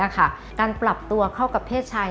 การปรับตัวเข้ากับเพศชาย